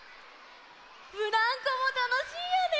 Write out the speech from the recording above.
ブランコもたのしいよね！